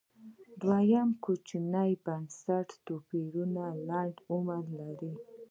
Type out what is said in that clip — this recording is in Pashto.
دویم کوچني بنسټي توپیرونه لنډ عمر لري